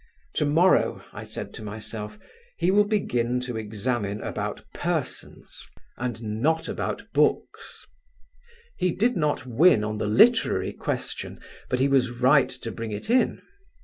To morrow, I said to myself, he will begin to examine about persons and not books. He did not win on the literary question, but he was right to bring it in.